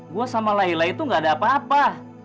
gue sama laila itu gak ada apa apa